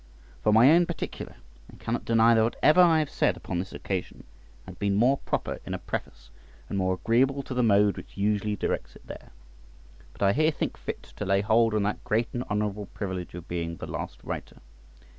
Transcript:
For my own particular, I cannot deny that whatever I have said upon this occasion had been more proper in a preface, and more agreeable to the mode which usually directs it there. But I here think fit to lay hold on that great and honourable privilege of being the last writer.